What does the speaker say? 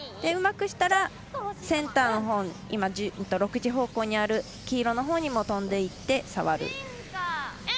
うまくしたらセンターのほう、６時方向にある黄色のほうにもとんでいって触る。